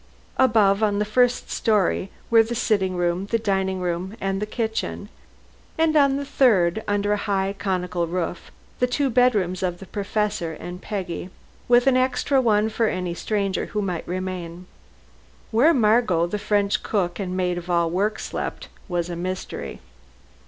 Above, on the first story, were the sitting room, the dining room and the kitchen; and on the third, under a high conical roof, the two bedrooms of the Professor and Peggy, with an extra one for any stranger who might remain. Where Margot, the French cook and maid of all work, slept, was a mystery.